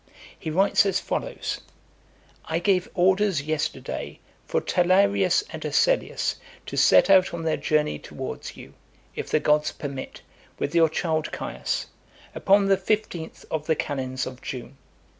He writes as follows: "I gave orders yesterday for Talarius and Asellius to set out on their journey towards you, if the gods permit, with your child Caius, upon the fifteenth of the calends of June [18th May].